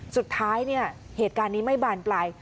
สุดท้ายเนี่ยเหตุการณ์นี้ไม่บานปลาย